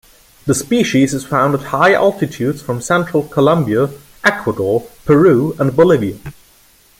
The species is found at high altitudes from central Colombia, Ecuador, Peru and Bolivia.